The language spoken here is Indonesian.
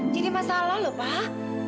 jadi masalah lho pak